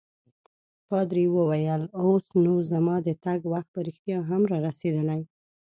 پادري وویل: اوس نو زما د تګ وخت په رښتیا هم رارسیدلی.